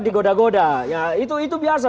digoda goda ya itu biasa